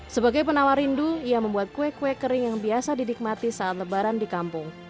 sebagai penawar rindu ia membuat kue kue kering yang biasa didikmati saat lebaran di kampung